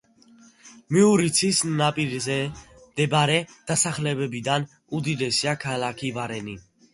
მიურიცის ნაპირზე მდებარე დასახლებებიდან უდიდესია ქალაქი ვარენი.